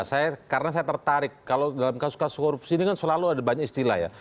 saya karena saya tertarik kalau dalam kasus kasus korupsi ini kan selalu ada banyak istilah ya